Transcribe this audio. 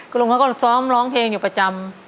คุณลุงเขาก็ซ้อมร้องเพลงอยู่ประจำ